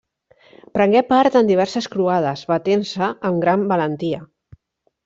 Prengué part en diverses Croades, batent-se amb gran valentia.